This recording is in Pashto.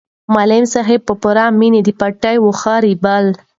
معلم صاحب په پوره مینه د پټي واښه رېبل.